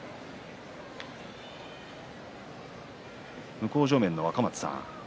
向正面の若松さん